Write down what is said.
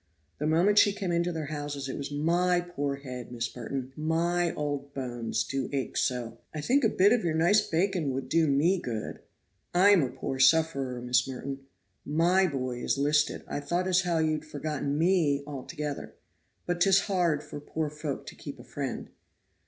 The moment she came into their houses it was, "My poor head, Miss Merton; my old bones do ache so." "I think a bit of your nice bacon would do ME good. I'M a poor sufferer, Miss Merton. My boy is 'listed. I thought as how you'd forgotten me altogether. But 'tis hard for poor folk to keep a friend."